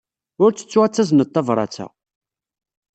Ur ttettu ad tazned tabṛat-a.